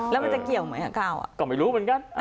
แล้วมันจะเกี่ยวไหมกับข้าวก็ไม่รู้เหมือนกัน